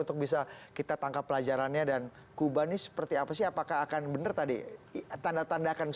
untuk bisa kita tangkap pelajarannya dan kubani seperti apa sih apakah akan bener tadi tanda tandakan